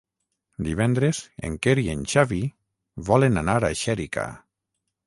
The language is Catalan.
Divendres en Quer i en Xavi volen anar a Xèrica.